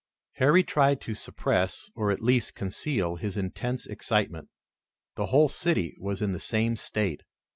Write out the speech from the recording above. Harry tried to suppress, or at least conceal his intense excitement. The whole city was in the same state.